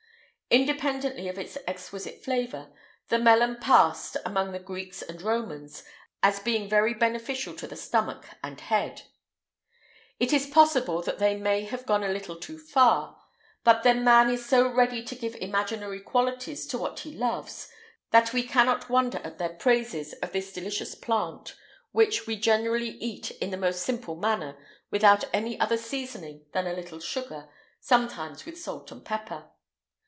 Independently of its exquisite flavour, the melon passed, among the Greeks and Romans, as being very beneficial to the stomach and head.[IX 159] It is possible that they may have gone a little too far; but then man is so ready to give imaginary qualities to what he loves, that we cannot wonder at their praises of this delicious plant, which we generally eat in the most simple manner, without any other seasoning than a little sugar, sometimes with salt and pepper.